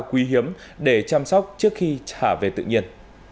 quý hiếm để chăm sóc trước khi thả về tự nhiên